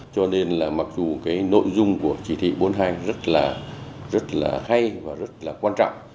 cho nên là mặc dù cái nội dung của chỉ thị bốn mươi hai rất là hay và rất là quan trọng